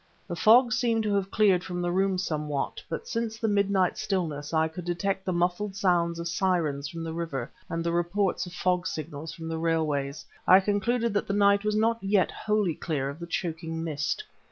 The fog seemed to have cleared from the room somewhat, but since in the midnight stillness I could detect the muffled sounds of sirens from the river and the reports of fog signals from the railways, I concluded that the night was not yet wholly clear of the choking mist.